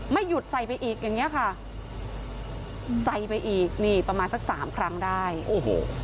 ไม่หยุดใส่ไปอีกอย่างเงี้ยค่ะใส่ไปอีกนี่ประมาณสักสามครั้งได้โอ้โห